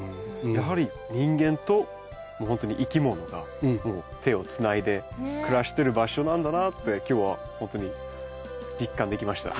やはり人間とほんとにいきものが手をつないで暮らしてる場所なんだなって今日はほんとに実感できました。